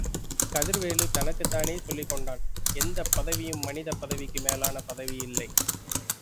கதிர்வேலு தனக்குத்தானே சொல்லிக் கொண்டான்... எந்தப் பதவியும் மனிதப் பதவிக்கு மேலான பதவி இல்லை.